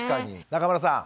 中村さん